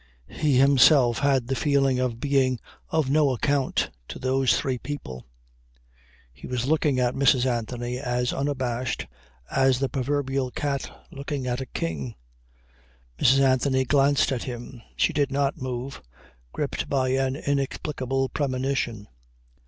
He himself had the feeling of being of no account to those three people. He was looking at Mrs. Anthony as unabashed as the proverbial cat looking at a king. Mrs. Anthony glanced at him. She did not move, gripped by an inexplicable premonition.